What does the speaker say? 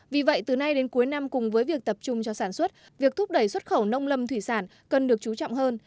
vì vậy từ nay đến cuối năm cùng với việc tập trung cho sản xuất việc thúc đẩy xuất khẩu nông lâm thủy sản cần được chú trọng hơn